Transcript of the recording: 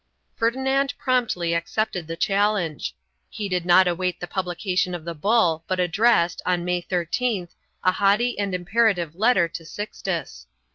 Ferdinand promptly accepted the challenge. He did not await the publica tion of the bull but addressed, on May 13th, a haughty and imperative letter to Sixtus.